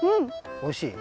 おいしい？